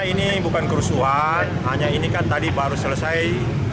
ini bukan kerusuhan hanya ini kan tadi baru selesai